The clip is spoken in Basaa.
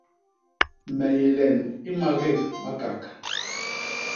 Me yé len i makét Makak.